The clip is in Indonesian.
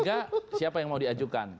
b tiga siapa yang mau diajukan